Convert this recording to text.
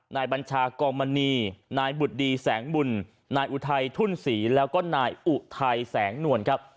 บัญชากองมณีนายบุตรดีแสงบุญนายอุทัยทุ่นศรีแล้วก็นายอุทัยแสงนวลครับ